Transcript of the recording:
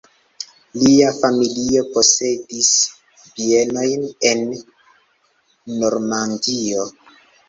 Lia familio posedis bienojn en Normandio.